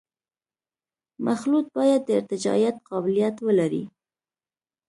مخلوط باید د ارتجاعیت قابلیت ولري